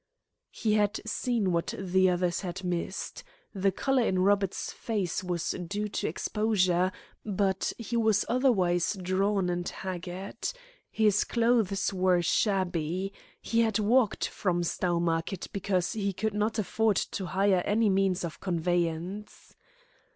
He had seen what the others had missed. The colour in Robert's face was due to exposure, but he was otherwise drawn and haggard. His clothes were shabby. He had walked from Stowmarket because he could not afford to hire any means of conveyance.